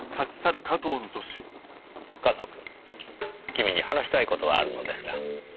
加藤君君に話したい事があるのですが。